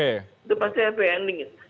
itu pasti happy ending